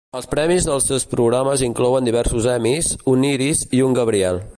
Els premis dels seus programes inclouen diversos Emmys, un Iris i un Gabriel.